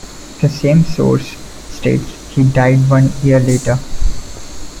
The same source states he died one year later.